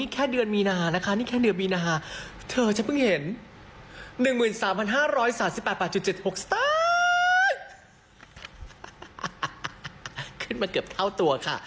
ขึ้นมาเกือบเท่าตัวค่ะ